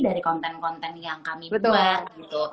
dari konten konten yang kami buat gitu